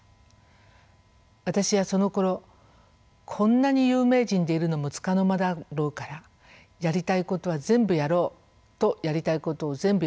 私はそのころ「こんなに有名人でいるのもつかの間だろうからやりたいことは全部やろう」とやりたいことを全部やりました。